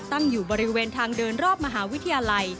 ตั้งอยู่บริเวณทางเดินรอบมหาวิทยาลัย